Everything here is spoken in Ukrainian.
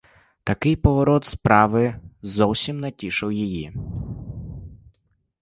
Такий поворот справи зовсім не тішив її.